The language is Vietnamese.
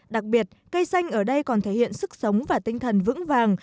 đặc biệt cây xanh ở đây còn thể hiện sức sống và tinh thần vững vàng